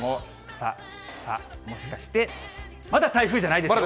さあ、さあ、もしかして、まだ台風じゃないですよ。